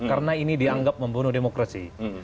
karena ini dianggap membunuh demokrasi